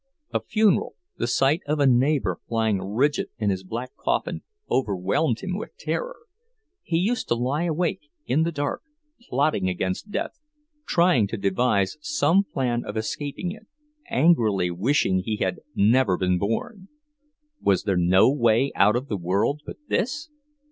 A funeral, the sight of a neighbour lying rigid in his black coffin, overwhelmed him with terror. He used to lie awake in the dark, plotting against death, trying to devise some plan of escaping it, angrily wishing he had never been born. Was there no way out of the world but this?